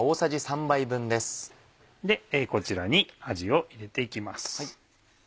こちらにあじを入れて行きます。